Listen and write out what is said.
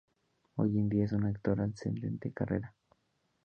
Hoy en día es un actor ascendente carrera.